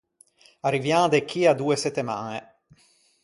Arrivian de chì à doe settemañe.